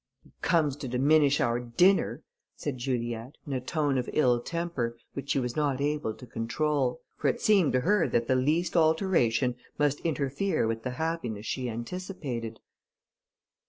"He comes to diminish our dinner," said Juliette, in a tone of ill temper, which she was not able to control; for it seemed to her that the least alteration must interfere with the happiness she anticipated.